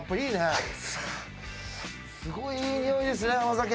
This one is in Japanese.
すごいいいにおいですね甘酒の。